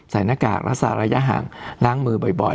หน้ากากรักษาระยะห่างล้างมือบ่อย